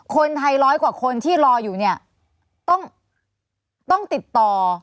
คนไทยร้อยกว่าคนที่รออยู่เนี่ยต้องติดต่อ